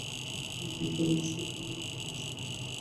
অনেক দিন পরে আজ কুমুকে দেখেছে।